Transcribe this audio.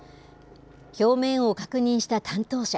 表面を確認した担当者。